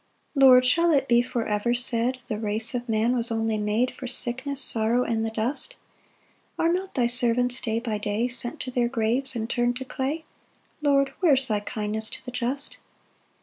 2 Lord, shall it be for ever said, "The race of man was only made "For sickness, sorrow, and the dust?" Are not thy servants day by day Sent to their graves, and turn'd to clay? Lord, where's thy kindness to the just?